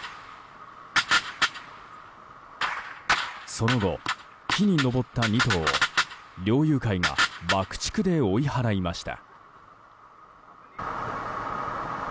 その後、木に登った２頭を猟友会が爆竹で追い払いました。